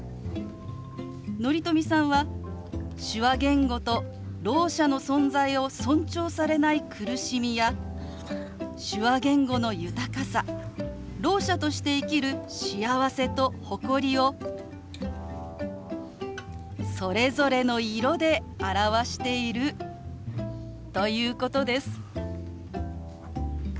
乘富さんは手話言語とろう者の存在を尊重されない苦しみや手話言語の豊かさろう者として生きる幸せと誇りをそれぞれの色で表しているということです。